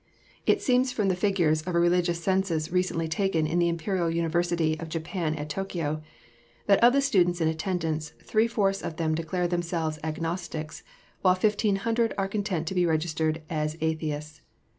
"It seems from the figures of a religious census recently taken in the Imperial University of Japan at Tokyo, that of the students in attendance, three fourths of them declare themselves agnostics, while fifteen hundred are content to be registered as atheists.